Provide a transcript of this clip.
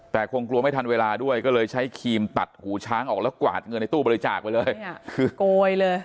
แต่คงกลัวไม่ทันเวลาด้วยก็เลยใช้ครีมตัดหูช้างออกแล้วกวาดเงินในตู้บริจาคไปเลยคือโกยเลย